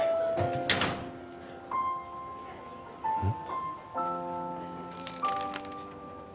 うん？